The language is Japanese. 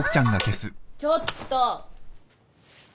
ちょっと！